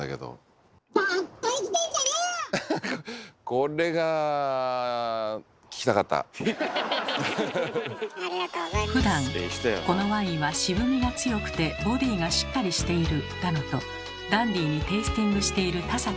これがふだん「このワインは渋味が強くてボディーがしっかりしている」だのとダンディーにテイスティングしている田崎さん。